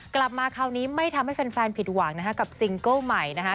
กลับมาคราวนี้ไม่ทำให้แฟนผิดหวังนะคะกับซิงเกิ้ลใหม่นะคะ